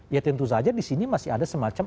ya tentu saja disini masih ada semacam